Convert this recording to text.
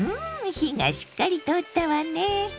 火がしっかり通ったわね。